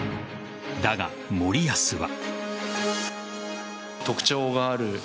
だが森保は。